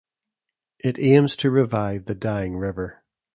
It aims to revive the dying river.